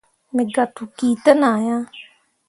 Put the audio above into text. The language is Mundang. Megah tokki ten ah ya.